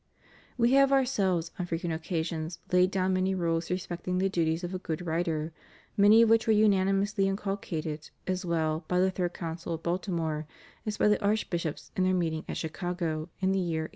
* We have Ourselves, on frequent occasions, laid down many rules respecting the duties of a good writer; many of which were unanimously inculcated as well by the Third Council of Baltimore as by the archbishops in their meeting at Chicago in the year 1893.